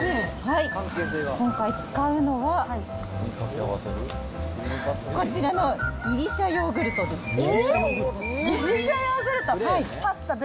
今回使うのは、こちらのギリシャヨーグルトです。